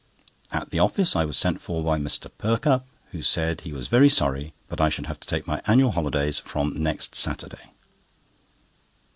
At the office I was sent for by Mr. Perkupp, who said he was very sorry, but I should have to take my annual holidays from next Saturday.